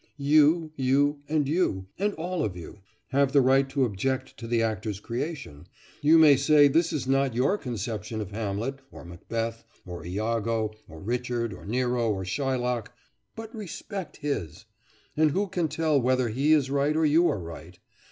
You, you, and you, and all of you, have the right to object to the actor's creation; you may say this is not your conception of Hamlet or Macbeth or Iago or Richard or Nero or Shylock but respect his. And who can tell whether he is right or you are right?